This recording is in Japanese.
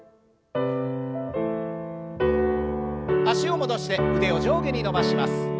脚を戻して腕を上下に伸ばします。